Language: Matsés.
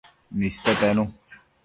niste tenu